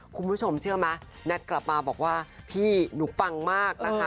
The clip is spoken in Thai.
คุณผู้ชมเชื่อไหมแน็ตกลับมาบอกว่าพี่หนูปังมากนะคะ